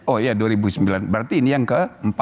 oh iya dua ribu sembilan berarti ini yang ke empat